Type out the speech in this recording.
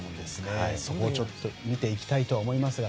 そこを見ていきたいと思いますが。